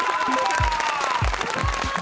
すごーい！